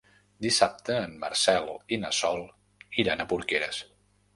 Dissabte en Marcel i na Sol iran a Porqueres.